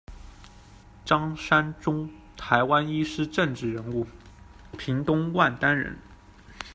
张山钟，台湾医师、政治人物，屏东万丹人。